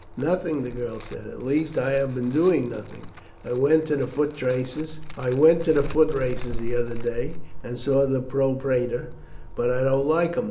"Nothing," the girl said; "at least I have been doing nothing. I went to the footraces the other day, and saw the propraetor, but I don't like him.